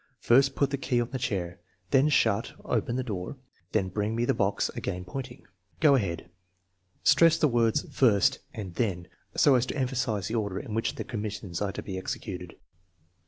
First, put the key on the chair* then shut (open) the door, then bring me the box (again pointing). Go ahead." Stress the words first and then so as to emphasize the order in which the commis sions are to be executed.